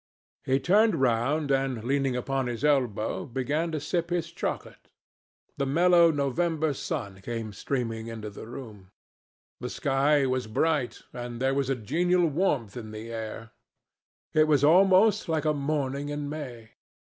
He turned round, and leaning upon his elbow, began to sip his chocolate. The mellow November sun came streaming into the room. The sky was bright, and there was a genial warmth in the air. It was almost like a morning in May.